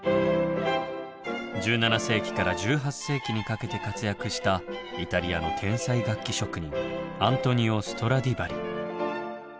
１７世紀から１８世紀にかけて活躍したイタリアの天才楽器職人アントニオ・ストラディバリ。